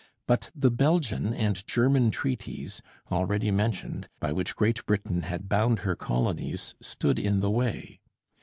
But the Belgian and German treaties, already mentioned, by which Great Britain had bound her colonies, stood in the way.